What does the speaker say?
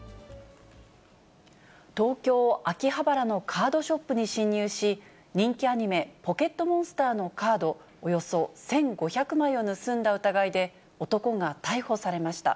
東京・秋葉原のカードショップに侵入し、人気アニメ、ポケットモンスターのカードおよそ１５００枚を盗んだ疑いで、男が逮捕されました。